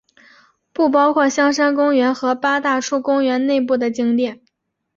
不包括香山公园和八大处公园内部的景点。